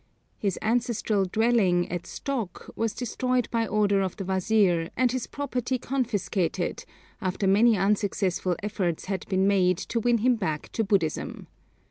His 'ancestral dwelling' at Stok was destroyed by order of the wazir, and his property confiscated, after many unsuccessful efforts had been made to win him back to Buddhism.